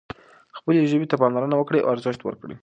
خپلې ژبې ته پاملرنه وکړئ او ارزښت ورکړئ.